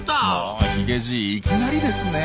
おヒゲじいいきなりですねえ。